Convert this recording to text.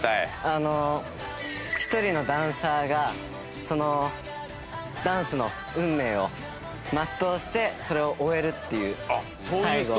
あの１人のダンサーがダンスの運命を全うしてそれを終えるっていう最後。